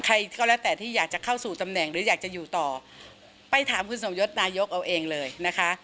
ใครก็แล้วแต่ที่อยากจะเข้าสู่ตำแหน่งหรืออยากจะอยู่ต่อไปถามคุณสมยศนายกเอาเองเลยนะคะ